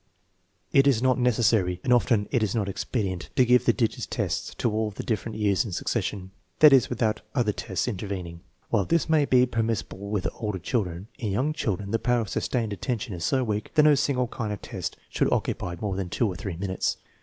It is not necessary, and often it is not expedient, to give the digits tests of all the different years in succession; that is, without other tests intervening. While this may be per missible with older children, in young children the power of sustained attention is so weak that no single kind of test should occupy more than two or three minutes.